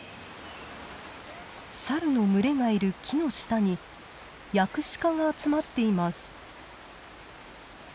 サルの群れがいる木の下にヤクシカが集まっています。